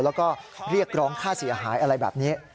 แล้วก็เรียกร้องค่าเสียหายอะไรแบบนี้